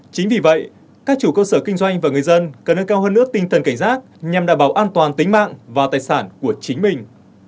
chính vì vậy các chủ cơ sở kinh doanh và người dân cần nâng cao hơn nữa tinh thần cảnh giác nhằm đảm bảo an toàn tính mạng và tài sản của chính mình